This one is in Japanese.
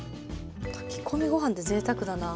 炊き込みごはんってぜいたくだな。